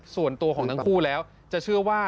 ส่วนตัวของทั้งคู่แล้วจะเชื่อว่า